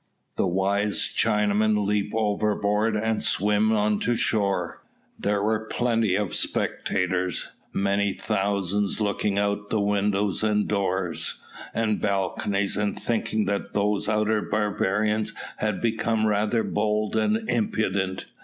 The wise Chinamen leap overboard and swim on to shore. There were plenty of spectators, many thousands looking out of windows, and doors, and balconies, and thinking that those outer barbarians had become rather bold and impudent.